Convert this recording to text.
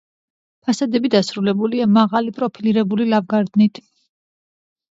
ფასადები დასრულებულია მაღალი, პროფილირებული ლავგარდნით.